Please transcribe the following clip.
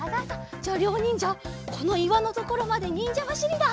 じゃありょうにんじゃこのいわのところまでにんじゃばしりだ！